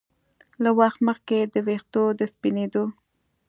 له وخت مخکې د ویښتو د سپینېدو